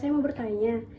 saya mau bertanya